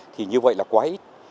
thì như vậy là quá ít